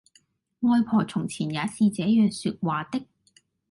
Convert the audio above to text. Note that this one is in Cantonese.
外婆從前也是這樣說話的